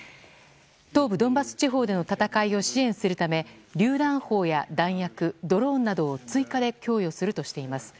東部ドンバス地方での戦いを支援するためりゅう弾砲や弾薬、ドローンなどを追加で供するとしています。